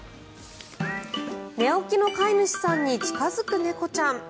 寝起きの飼い主さんに近付く猫ちゃん。